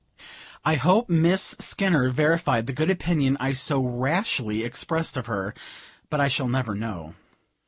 I hope Miss Skinner verified the good opinion I so rashly expressed of her, but I shall never know.